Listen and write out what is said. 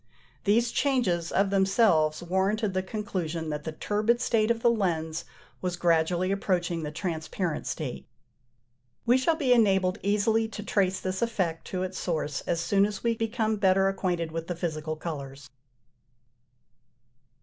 These changes of themselves warranted the conclusion that the turbid state of the lens was gradually approaching the transparent state. We shall be enabled easily to trace this effect to its source as soon as we become better acquainted with the physical colours.